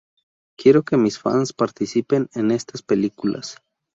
Quiero que mis fans participen en estas películas.